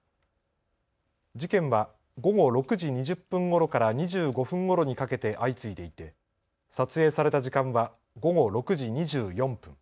事件は午後６時２０分ごろから２５分ごろにかけて相次いでいて撮影された時間は午後６時２４分。